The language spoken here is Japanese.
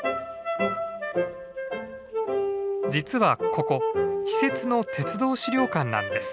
実はここ私設の鉄道資料館なんです。